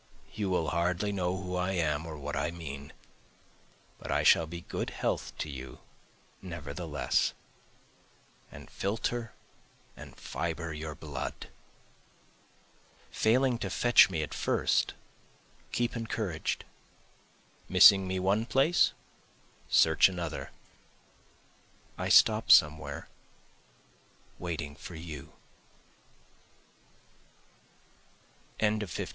You will hardly know who I am or what I mean, But I shall be good health to you nevertheless, And filter and fibre your blood. Failing to fetch me at first keep encouraged, Missing me one place search another, I stop somewhere waiting for you. BOOK IV.